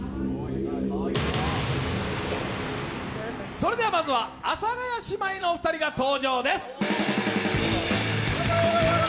それでは、まずは阿佐ヶ谷姉妹のお二人が登場です。